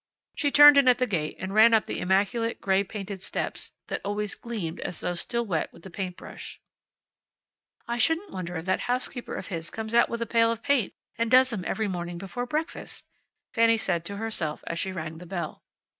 She turned in at the gate and ran up the immaculate, gray painted steps, that always gleamed as though still wet with the paint brush. "I shouldn't wonder if that housekeeper of his comes out with a pail of paint and does 'em every morning before breakfast," Fanny said to herself as she rang the bell.